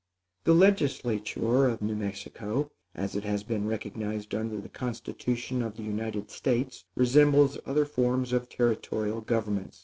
The legislature of New Mexico, as it has been recognized under the constitution of the United States, resembles other forms of territorial governments.